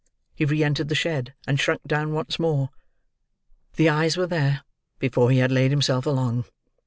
He re entered the shed, and shrunk down once more. The eyes were there, before he had laid himself along.